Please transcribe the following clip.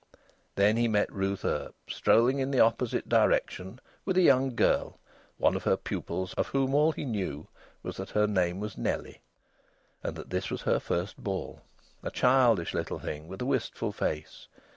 Then he met Ruth Earp, strolling in the opposite direction with a young girl, one of her pupils, of whom all he knew was that her name was Nellie, and that this was her first ball: a childish little thing with a wistful face.